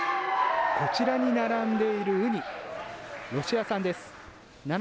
こちらに並んでいるウニ、ロシア産です。